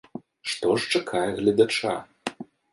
Што ж чакае гледача?